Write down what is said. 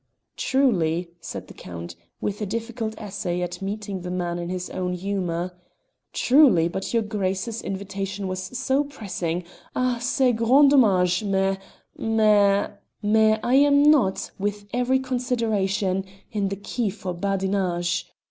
"Truly," said the Count, with a difficult essay at meeting the man in his own humour "Truly, but your Grace's invitation was so pressing ah! c'est grand dommage! mais mais I am not, with every consideration, in the key for badinage.